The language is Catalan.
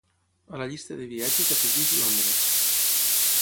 A la llista de viatges afegeix Londres.